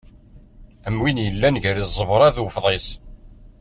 Am win yellan gar ẓẓebra d ufḍis.